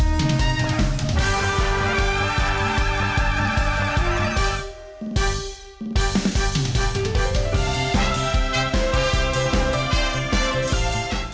โปรดติดตามตอนต่อไป